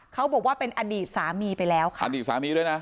เขาบอกว่าเป็นอดีตสามีไปแล้วค่ะอดีตสามีด้วยนะ